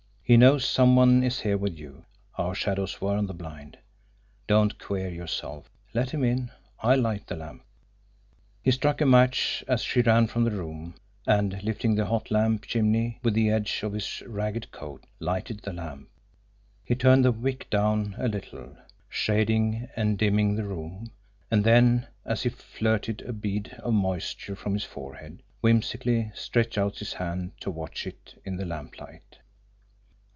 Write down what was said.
He knows some one is here with you our shadows were on the blind. Don't queer yourself. Let him in. I'll light the lamp." He struck a match, as she ran from the room, and, lifting the hot lamp chimney with the edge of his ragged coat, lighted the lamp. He turned the wick down a little, shading and dimming the room and then, as he flirted a bead of moisture from his forehead, whimsically stretched out his hand to watch it in the lamplight.